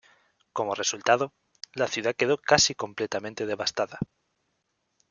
Como resultado, la ciudad quedó casi completamente devastada.